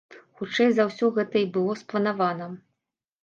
Хутчэй за ўсё гэта і было спланавана.